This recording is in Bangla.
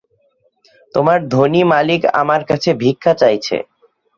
তোমার ধনী মালিক আমার কাছে ভিক্ষা চাইছে।